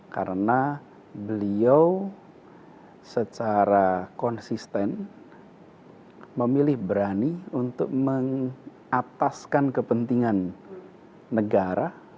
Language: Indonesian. karena beliau secara konsisten memilih berani untuk mengataskan kepentingan negara